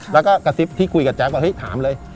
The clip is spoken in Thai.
แล้วก็กระซิบที่คุยกับแจ๊คว่าเฮ้ยถามเลย